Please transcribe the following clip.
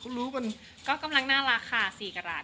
เขารู้มันก็กำลังน่ารักค่ะสี่กราดค่ะ